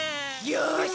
よし！